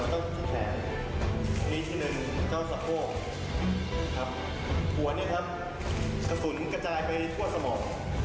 หัวเนี่ยครับกระสุนกระจายไปทั่วสมอง